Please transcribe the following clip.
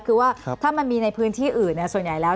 คือว่าถ้ามันมีในพื้นที่อื่นส่วนใหญ่แล้ว